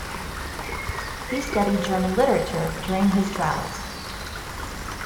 He studied German literature during this travels.